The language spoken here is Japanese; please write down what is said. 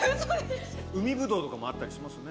ウミブドウとかもあったりしますね。